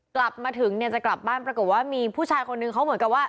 กลับมาถึงเนี่ยจะกลับบ้านปรากฏว่ามีผู้ชายคนนึงเขาเหมือนกับว่า